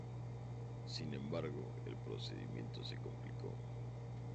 Sin embargo, el procedimiento se complicó.